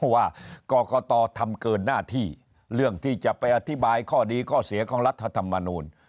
ว่ากรกตทำเกินหน้าที่เรื่องที่จะไปอธิบายข้อดีข้อเสียของรัฐธรรมนูล